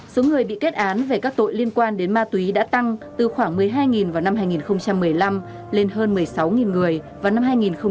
số người bị kết án về các tội liên quan đến ma túy đã tăng từ khoảng một mươi hai vào năm hai nghìn một mươi năm lên hơn một mươi sáu người vào năm hai nghìn một mươi bảy